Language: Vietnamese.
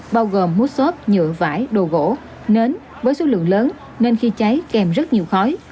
bao gồm mút xốp nhựa vải đồ gỗ nến với số lượng lớn nên khi cháy kèm rất nhiều khói